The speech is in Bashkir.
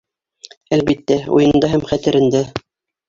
Әлбиттә, уйында һәм хәтерендә.